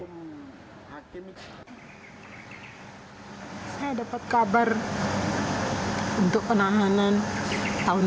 saya dapat kabar untuk penanganan tahun ini